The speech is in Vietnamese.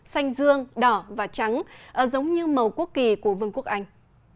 xanh dương đỏ và trắng giống như màu quốc kỳ của vương quốc anh